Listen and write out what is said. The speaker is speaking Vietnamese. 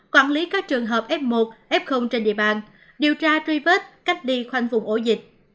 quản lý các trường hợp f một f trên địa bàn điều tra truy vết cách đi khoanh vùng ổ dịch